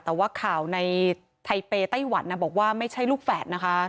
แต่ว่าข่าวในไทเปย์ไต้หวันบอกว่าไม่ใช่ลูกแฝดนะคะ